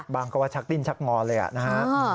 บางคนก็ว่าชักติ้นชักงอนเลยนะฮะ